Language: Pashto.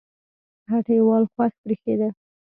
هټۍوال خوښ برېښېده